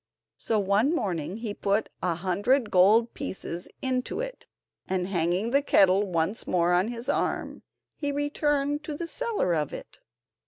So, one morning, he put a hundred gold pieces into it, and hanging the kettle once more on his arm, he returned to the seller of it.